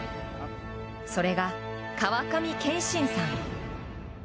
それが川上憲伸さん。